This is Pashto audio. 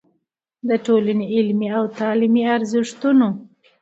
د ټولنې علمي او تعليمي ارزښتونو